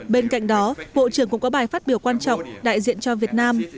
bên cạnh đó bộ trưởng cũng có bài phát biểu quan trọng đại diện cho việt nam